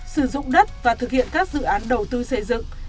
sử dụng đất và thực hiện các dự án đầu tư xây dựng